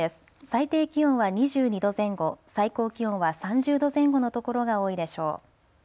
最低気温は２２度前後、最高気温は３０度前後の所が多いでしょう。